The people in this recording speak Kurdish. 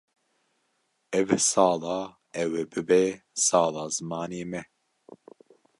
Ev sala ew ê bibe sala zimanê me.